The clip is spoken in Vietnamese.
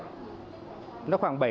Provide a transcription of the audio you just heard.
đã không còn hoạt động